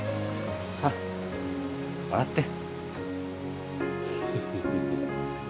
さあ笑って。